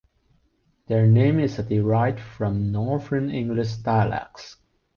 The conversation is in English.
Their name is a derived from northern English dialects.